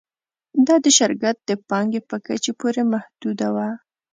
دا د شرکت د پانګې په کچې پورې محدوده وه